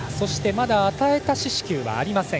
まだ与えた四死球はありません